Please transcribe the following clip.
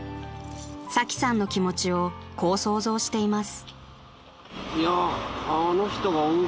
［サキさんの気持ちをこう想像しています］